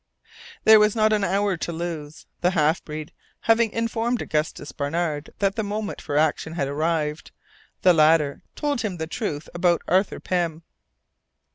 There was not an hour to lose. The half breed having informed Augustus Barnard that the moment for action had arrived, the latter told him the truth about Arthur Pym.